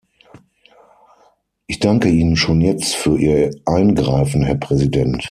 Ich danke Ihnen schon jetzt für Ihr Eingreifen, Herr Präsident.